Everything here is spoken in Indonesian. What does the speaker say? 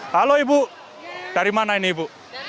halo ibu dari mana ini ibu